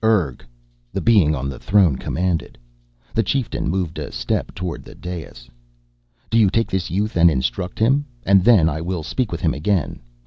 "Urg!" the being on the throne commanded. The chieftain moved a step toward the dais. "Do you take this youth and instruct him. And then will I speak with him again.